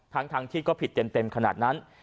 ทั้งที่ก็ผิดเต็มขนาดนั้น